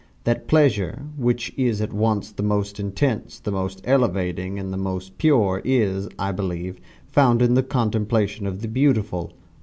That pleasure which is at once the most intense, the most elevating, and the most pure is, I believe, found in the contemplation of the beautiful.